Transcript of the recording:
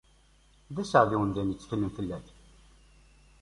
D aseɛdi umdan itteklen fell-ak!